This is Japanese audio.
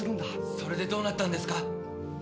それでどうなったんですか？